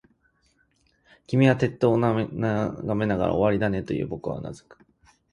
君は鉄塔を眺めながら、終わりだね、と言う。僕はうなずく。